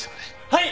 はい。